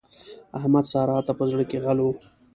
احمد؛ سارا ته په زړ کې غل وو.